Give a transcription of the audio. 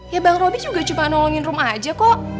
ya bang roby juga cuma nolongin rumah aja kok